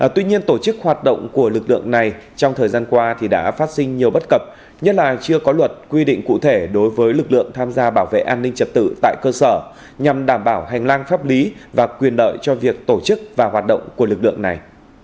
tuy nhiên tổ chức hoạt động của lực lượng này trong thời gian qua đã phát sinh nhiều bất cập nhất là chưa có luật quy định cụ thể đối với lực lượng tham gia bảo vệ an ninh trật tự tại cơ sở nhằm đảm bảo hành lang pháp lý và quyền lợi cho việc tổ chức và hoạt động của lực lượng này